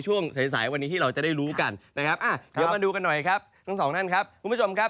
หวยเราพูดกันมาทั้งวันแล้ว